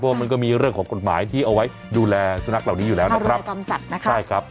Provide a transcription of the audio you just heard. เพราะมันก็มีเรื่องของกฎหมายที่เอาไว้ดูแลสนักเหล่านี้อยู่แล้วนะครับ